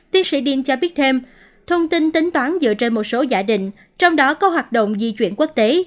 tiến sĩ diên cho biết thêm thông tin tính toán dựa trên một số giả định trong đó có hoạt động di chuyển quốc tế